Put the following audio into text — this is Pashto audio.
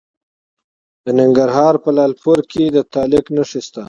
د ننګرهار په لعل پورې کې د تالک نښې شته.